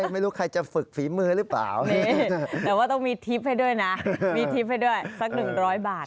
ไม่รู้ใครจะฝึกฝีมือหรือเปล่าแต่ว่าต้องมีทิปให้ด้วยนะสักหนึ่งร้อยบาทนะ